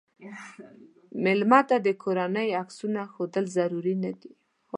مېلمه ته د کورنۍ عکسونه ښودل ضرور نه دي.